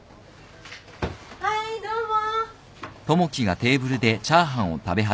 はいどうも。